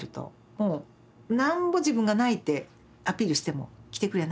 もうなんぼ自分が泣いてアピールしても来てくれない。